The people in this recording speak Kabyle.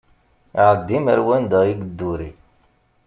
Ɛeddim ar wanda i yedduri!